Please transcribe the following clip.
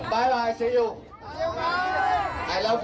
บ๊ายบายไซวิลัย